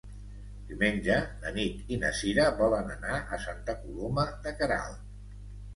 Diumenge na Nit i na Cira volen anar a Santa Coloma de Queralt.